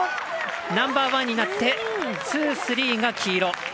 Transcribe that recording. ナンバーワンになってツー、スリーが黄色。